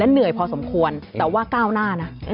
เหนื่อยพอสมควรแต่ว่าก้าวหน้านะ